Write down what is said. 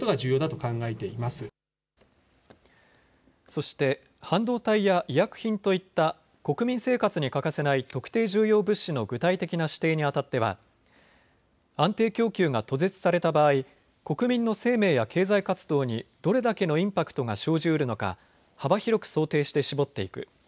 そして半導体や医薬品といった国民生活に欠かせない特定重要物資の具体的な指定にあたっては安定供給が途絶された場合国民の生命や経済活動にどれだけのインパクトが生じうるのか幅広く想定して絞っていく。